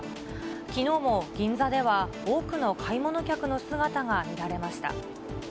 きのうも銀座では多くの買い物客の姿が見られました。